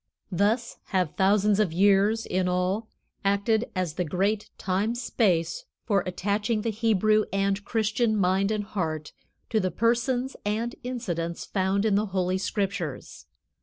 Thus have thousands of years, in all, acted as the great time space for attaching the Hebrew and Christian mind and heart to the persons and incidents found in the Holy Scriptures.